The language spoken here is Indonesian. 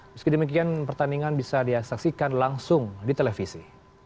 meski demikian pertandingan bisa diasaksikan langsung di televisi